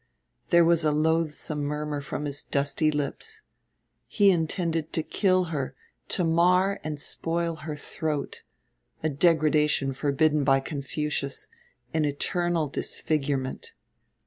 There was a loathsome murmur from his dusty lips. He intended to kill her, to mar and spoil her throat, a degradation forbidden by Confucius, an eternal disfigurement.